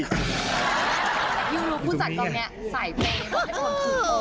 ยูลุคผู้จัดกองนี้สายฟะด้วย